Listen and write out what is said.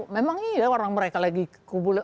memang iya orang mereka lagi kubu